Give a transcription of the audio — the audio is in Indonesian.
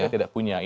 tidak punya ya